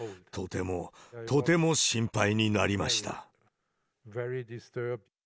とてもとても心配になりました。